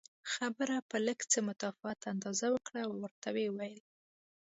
خبره په لږ څه متفاوت انداز وکړه او ورته ویې ویل